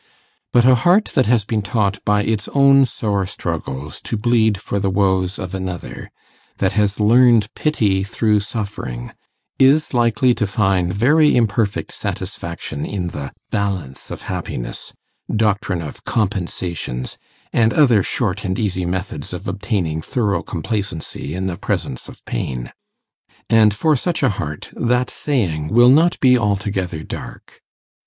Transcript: But a heart that has been taught by its own sore struggles to bleed for the woes of another that has 'learned pity through suffering' is likely to find very imperfect satisfaction in the 'balance of happiness,' 'doctrine of compensations,' and other short and easy methods of obtaining thorough complacency in the presence of pain; and for such a heart that saying will not be altogether dark.